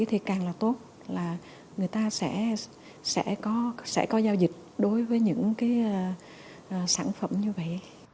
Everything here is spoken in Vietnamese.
thì càng là tốt là người ta sẽ có giao dịch đối với những cái sản phẩm như vậy